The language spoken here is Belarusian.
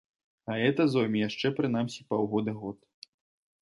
А гэта зойме яшчэ прынамсі паўгода-год.